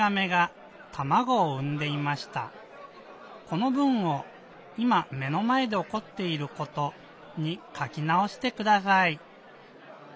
この文をいま目のまえでおこっていることにかきなおしてください。